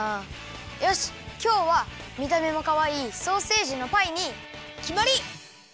よしきょうはみためもかわいいソーセージのパイにきまり！